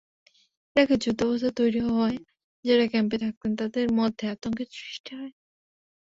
ইরাকে যুদ্ধাবস্থা তৈরি হওয়ায় যাঁরা ক্যাম্পে থাকতেন, তাঁদের মধ্যে আতঙ্কের সৃষ্টি হয়।